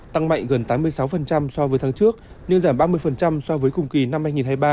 tăng mạnh gần tám mươi sáu so với tháng trước nhưng giảm ba mươi so với cùng kỳ năm hai nghìn hai mươi ba